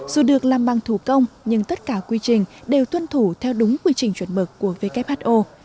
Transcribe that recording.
dù được làm bằng thủ công nhưng tất cả quy trình đều tuân thủ theo đúng quy trình chuẩn mực của who